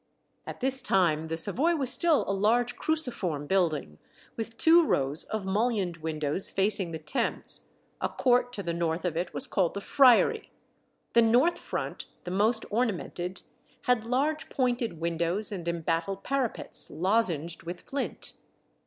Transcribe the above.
At this time the Savoy was still a large cruciform building, with two rows of mullioned windows facing the Thames; a court to the north of it was called the Friary. The north front, the most ornamented, had large pointed windows and embattled parapets, lozenged with flint.